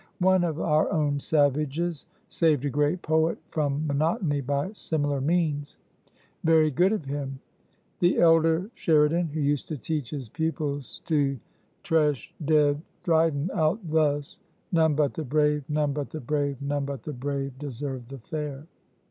One of our own savages saved a great poet from monotony by similar means;* very good of him. * The elder Sheridan, who used to teach his pupils to tresh dead Dryden out thus: None but the brave,/None but the _brave,_/None but the brave, deserve the fair.